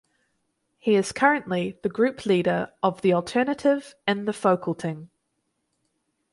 He is currently the group leader of The Alternative in the Folketing.